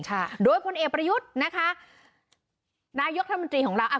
ใช่โดยพลเอกประยุทธ์นะคะนายกรัฐมนตรีของเราอ่ะ